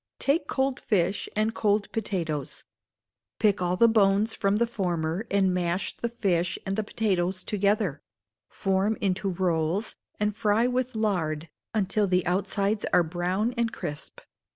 Take cold fish and cold potatoes. Pick all the bones from the former, and mash the fish and the potatoes together; form into rolls, and fry with lard until the outsides are brown and crisp.